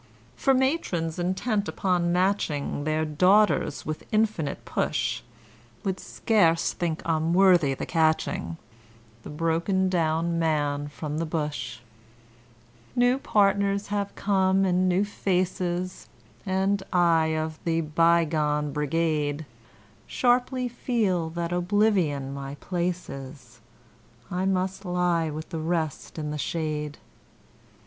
For matrons intent upon matching Their daughters with infinite push, Would scarce think him worthy the catching, The broken down man from the bush. New partners have come and new faces, And I, of the bygone brigade, Sharply feel that oblivion my place is I must lie with the rest in the shade.